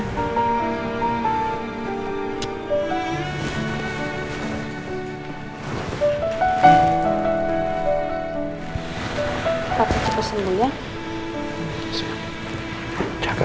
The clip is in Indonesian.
misalnya sama anak misalnya ya atau apa ya